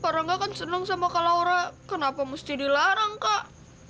kak rangga kan seneng sama kak laura kenapa mesti dilarang kak